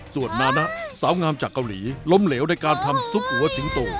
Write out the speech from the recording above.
ส่วนมานะสาวงามจากเกาหลีล้มเหลวในการทำซุปหัวสิงโต